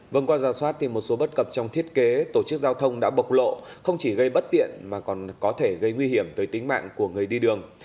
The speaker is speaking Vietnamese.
vâng qua giả soát thì một số bất cập trong thiết kế tổ chức giao thông đã bộc lộ không chỉ gây bất tiện mà còn có thể gây nguy hiểm tới tính mạng của người đi đường